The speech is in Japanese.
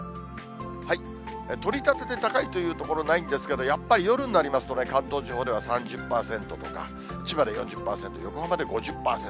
取り立てて高いという所ないんですけど、やっぱり夜になりますとね、関東地方では３０％とか、千葉で４０％、横浜で５０％。